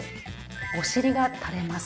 お尻がたれます。